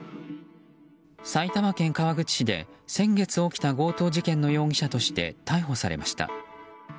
埼玉県川口市で先月起きた強盗事件の容疑者として逮捕されました。